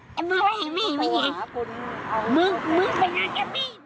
มึงมึงไปยังแกมี